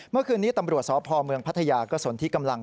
เมื่อคืนนี้ตำรวจสพเมืองพัทยาก็สนที่กำลัง